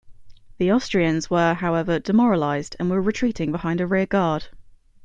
The Austrians were, however, demoralised and were retreating behind a rear-guard.